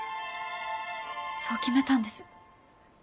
そう決めたんです。